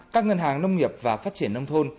các ngân hàng nông nghiệp và phát triển nông thôn